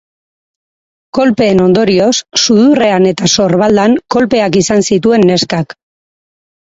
Kolpeen ondorioz, sudurrean eta sorbaldan kolpeak izan zituen neskak.